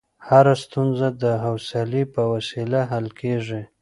هره ستونزه د حوصلې په وسیله حل کېږي.